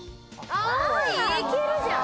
あ！いけるじゃん。